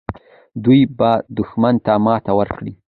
دوی به دښمن ته ماتې ورکړي.